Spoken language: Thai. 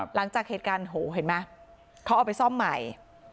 หลังจากเหตุการณ์โหเห็นไหมเขาเอาไปซ่อมใหม่